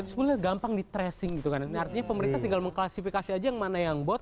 sebenarnya gampang di tracing gitu kan artinya pemerintah tinggal mengklasifikasi aja yang mana yang bot